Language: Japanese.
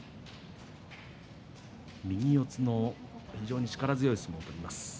右四つの非常に力強い相撲を取ります。